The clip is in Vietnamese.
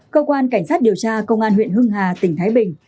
cơ quan cảnh sát điều tra công an huyện hưng hà tỉnh thái bình